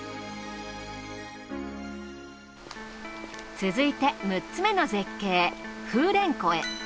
続いて６つめの絶景風蓮湖へ。